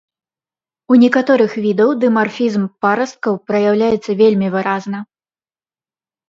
У некаторых відаў дымарфізм парасткаў праяўляецца вельмі выразна.